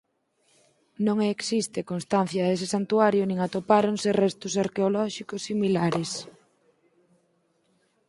Non existe constancia dese santuario nin atopáronse restos arqueolóxicos similares.